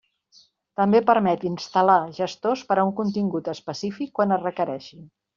També permet instal·lar gestors per a un contingut específic quan es requereixi.